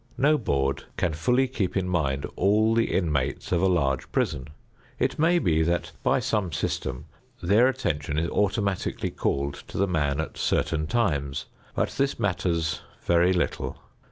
No board can fully keep in mind all the inmates of a large prison. It may be that by some system their attention is automatically called to the man at certain times, but this matters very little.